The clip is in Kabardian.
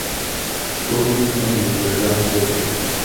Псори и пӏэм иувэжам хуэдэт.